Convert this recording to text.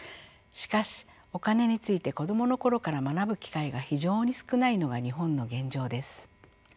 しかしお金について子どもの頃から学ぶ機会が非常に少ないのが日本の現状です。